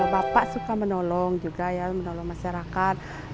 bapak suka menolong juga ya menolong masyarakat